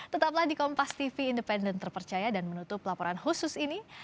tetaplah di kompas tv independen terpercaya dan menutup laporan khusus ini